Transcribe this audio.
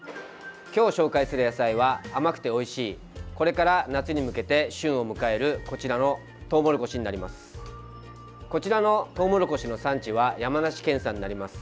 今日紹介する野菜は甘くて、おいしいこれから夏に向けて旬を迎えるこちらのトウモロコシになります。